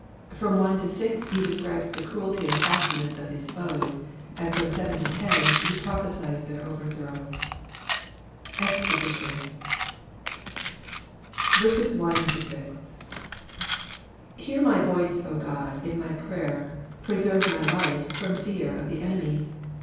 — F^rom 1—6 he describes the cruelty and craftiness of his foes, and from 7—10 he prophesies their overthrow, EXPOSITION. HEAR my voice, O God, in my prayer : preserve my life from fear of the enemy.